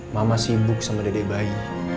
mama sibuk sama dede bayi